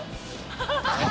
ハハハ